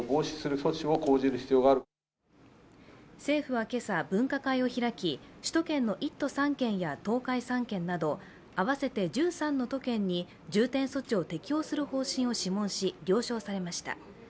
政府は今朝、分科会を開き首都圏の１都３県や東海３県など合わせて１３の都県に重点措置を適用する方針を諮問し、了承されました。